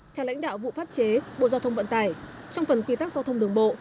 theo lãnh đạo vụ pháp chế bộ giao thông vận tải trong phần quy tắc giao thông đường bộ